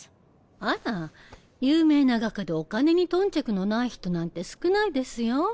あら有名な画家でお金に頓着のない人なんて少ないですよ。